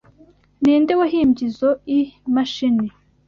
Ninde wahimbye izoi mashini?